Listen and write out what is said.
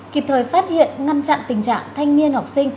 kịp thời phát hiện ngăn chặn tình trạng thanh niên học sinh